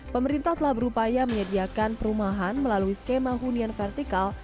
pemerintah telah berupaya menyediakan perumahan melalui skema hunian vertikal